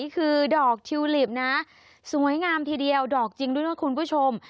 คือดอกทิวลิปนะสวยงามทีเดียวดอกจริงด้วยนะคุณผู้ชม